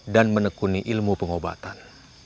dan menekuni ilmu pengobatan